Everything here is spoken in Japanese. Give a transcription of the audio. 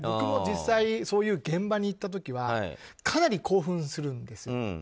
僕も実際そういう現場に行った時はかなり興奮するんです。